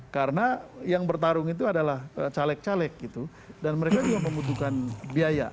karena yang bertarung itu adalah caleg caleg gitu dan mereka juga membutuhkan biaya